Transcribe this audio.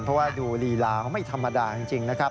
เพราะว่าดูลีลาเขาไม่ธรรมดาจริงนะครับ